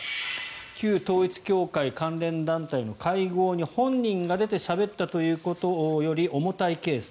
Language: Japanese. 旧統一教会関連団体の会合に本人が出てしゃべったということより重たいケース